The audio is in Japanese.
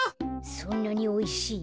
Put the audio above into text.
そんなにおいしい？